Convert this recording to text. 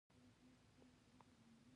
سوله د ټولو خلکو آرزو ده.